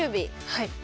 はい。